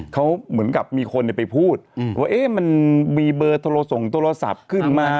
เขาเหมือนกับมีคนไปพูดว่ามันมีเบอร์โทรส่งโทรศัพท์ขึ้นมา